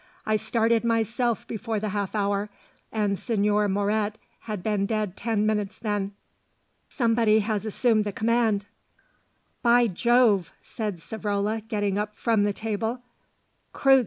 "I started myself before the half hour, and Señor Moret had been dead ten minutes then. Somebody has assumed the command." "By Jove," said Savrola getting up from the table. "Kreutze!"